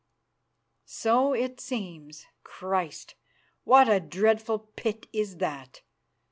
"So it seems. Christ! what a dreadful pit is that.